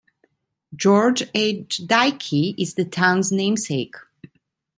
George H. Dickey is the town's namesake.